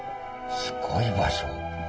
すごい場所。